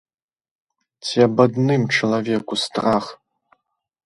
Ці аб адным чалавеку страх?